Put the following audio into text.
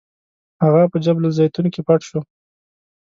هغه په جبل الزیتون کې پټ شو.